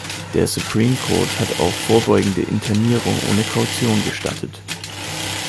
Der Supreme Court hat auch vorbeugende Internierung ohne Kaution gestattet.